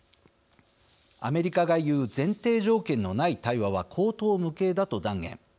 アメリカが言う前提条件のない対話は荒唐無稽だと断言。